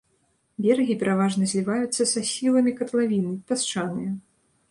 Берагі пераважна зліваюцца са схіламі катлавіны, пясчаныя.